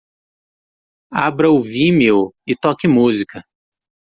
Abra o Vimeo e toque música.